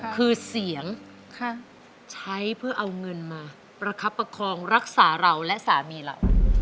คือเสียงใช้เพื่อเอาเงินมาประคับประคองรักษาเราและสามีเรา